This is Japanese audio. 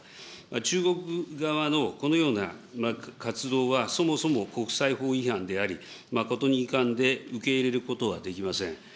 中国側のこのような活動はそもそも国際法違反であり、誠に遺憾で受け入れることはできません。